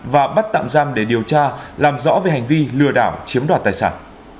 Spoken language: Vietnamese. và bắt tạm giam để điều tra làm rõ về hành vi lừa đảo chiếm đoạt tài sản